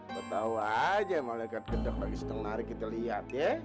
betawa aja malekat gedok lagi setengah hari kita lihat ya